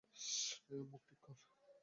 মুখ ঠিক কর।